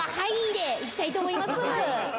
でいきたいと思います。